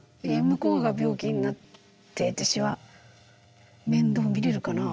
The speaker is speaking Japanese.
向こうが病気になって私は面倒見れるかなっていう。